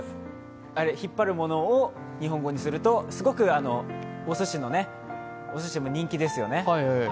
引っ張るものを日本語にすると、すごく、おすしも人気ですよね。